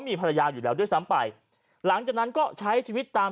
มีภรรยาอยู่แล้วด้วยซ้ำไปหลังจากนั้นก็ใช้ชีวิตตาม